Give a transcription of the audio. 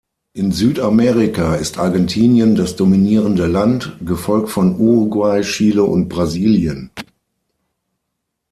In Südamerika ist Argentinien das dominierende Land, gefolgt von Uruguay, Chile und Brasilien.